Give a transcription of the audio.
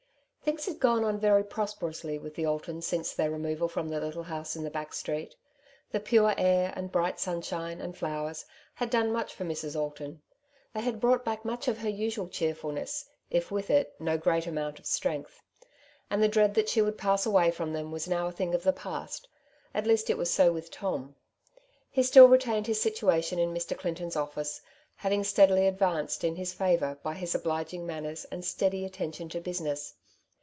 Things had gone on very prosperously with the Altons since their removal from the little house in the back street. The pure air, and bright sunshine, and flowers, had done much for Mrs. Alton. They had brought back much of her usual cheerfulness, if with it no great amount of strength ; and the dread that she would pass away from them was now a thing of the past — at least it was so with Tom. He still retained his situation in Mr. Clinton^s office, having steadily advanced in his favour by his obliging man ners and steady attention to business.